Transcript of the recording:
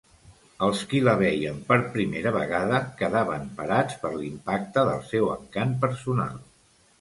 Els qui la veien per primera vegada quedaven parats per l'impacte del seu encant personal.